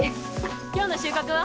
今日の収穫は？